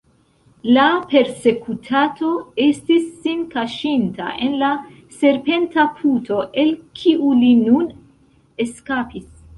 La persekutato estis sin kaŝinta en la serpenta puto, el kiu li nun eskapis.